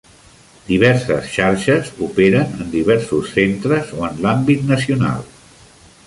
Diverses xarxes operen en diversos centres o en l'àmbit nacional.